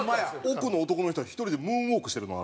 奥の男の人は１人でムーンウォークしてるの？